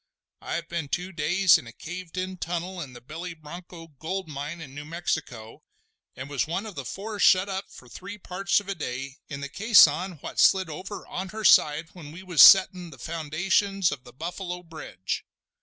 I've been two days in a caved in tunnel in the Billy Broncho gold mine in New Mexico, an' was one of the four shut up for three parts of a day in the caisson what slid over on her side when we was settin' the foundations of the Buffalo Bridge.